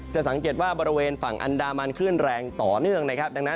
สังเกตว่าบริเวณฝั่งอันดามันคลื่นแรงต่อเนื่องนะครับดังนั้น